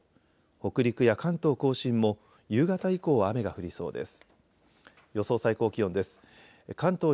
北陸や関東甲信も夕方以降は雨が降りそうです。